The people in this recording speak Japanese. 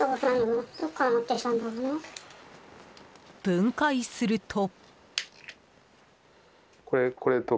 分解すると。